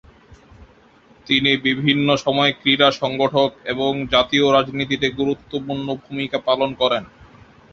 তিনি বিভিন্ন সময়ে ক্রীড়া সংগঠক ও জাতীয় রাজনীতিতে গুরুত্বপূর্ণ ভূমিকা পালন করেন।